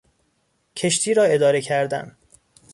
کشتی را اداره کردن